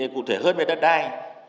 cụ thể hơn về đất đai